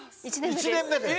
１年目です。